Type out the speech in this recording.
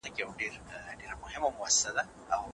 که کمپیوټر خراب شي، کارونه ودریږي.